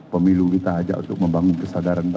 pemilu kita ajak untuk membangun kesadaran